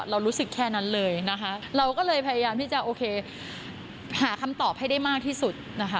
เรารู้สึกแค่นั้นเลยนะคะเราก็เลยพยายามที่จะโอเคหาคำตอบให้ได้มากที่สุดนะคะ